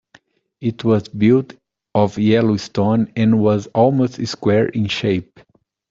It was built of yellow stone, and was almost square in shape.